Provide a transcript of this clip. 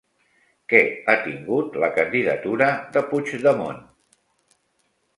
Què ha tingut la candidatura de Puigdemont?